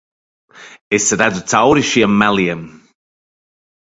Es redzu cauri šiem meliem.